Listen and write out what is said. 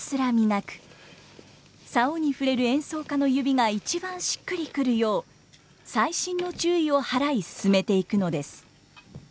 棹に触れる演奏家の指が一番しっくりくるよう細心の注意を払い進めていくのです。